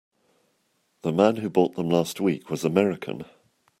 The man who bought them last week was American.